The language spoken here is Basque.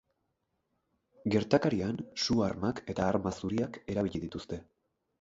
Gertakarian su-armak eta arma zuriak erabili dituzte.